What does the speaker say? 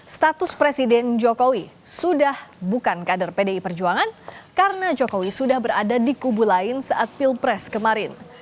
status presiden jokowi sudah bukan kader pdi perjuangan karena jokowi sudah berada di kubu lain saat pilpres kemarin